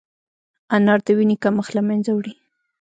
انار د وینې کمښت له منځه وړي.